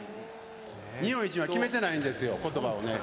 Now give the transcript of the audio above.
日本一は決めてないんですよ、ことばをね。